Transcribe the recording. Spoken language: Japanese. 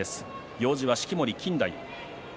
行司は式守錦太夫。